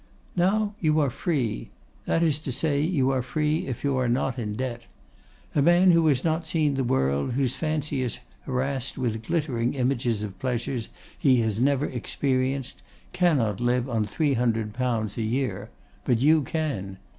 Now you are free; that is to say, you are free, if you are not in debt. A man who has not seen the world, whose fancy is harassed with glittering images of pleasures he has never experienced, cannot live on 300_l._ per annum; but you can.